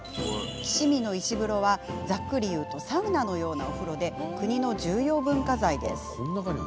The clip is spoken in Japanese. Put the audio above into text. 岸見の石風呂は、ざっくり言うとサウナのようなお風呂で国の重要文化財。